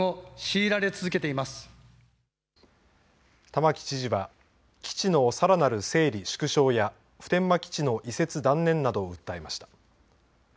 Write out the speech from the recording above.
玉城知事は基地のさらなる整理・縮小や普天間基地の移設断念などを訴えました。